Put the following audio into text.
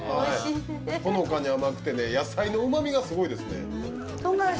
ほのかに甘くて、野菜のうまみがすごいですね。